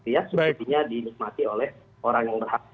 ya subsidinya dinikmati oleh orang yang berhak